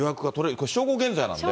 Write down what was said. これ、正午現在なんで。